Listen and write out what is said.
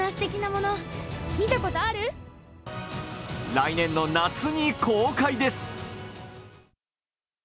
来年の夏に公開です。